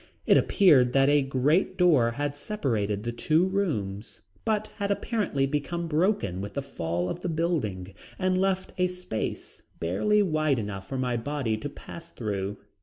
It appeared that a great door had separated the two rooms, but had apparently become broken with the fall of the building and left a space barely wide enough for my body to pass through.